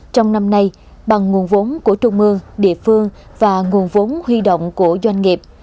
trong năm nay bằng nguồn vốn của trung mương địa phương và nguồn vốn huy động của doanh nghiệp